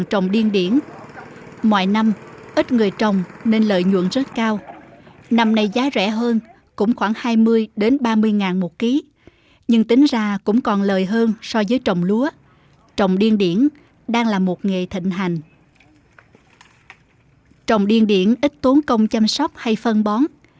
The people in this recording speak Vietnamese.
trồng điên điển ít tốn công chăm sóc hay phân bón